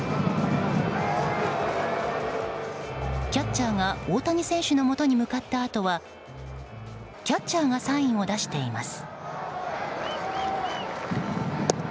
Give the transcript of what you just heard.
キャッチャーが大谷選手のもとに向かったあとはキャッチャーがサインを出しています。